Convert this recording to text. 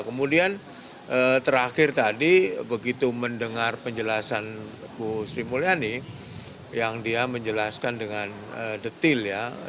kemudian terakhir tadi begitu mendengar penjelasan bu sri mulyani yang dia menjelaskan dengan detail ya